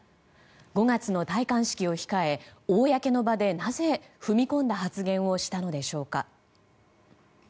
５月の戴冠式を控え、公の場でなぜ、踏み込んだ発言をしたのでしょうか？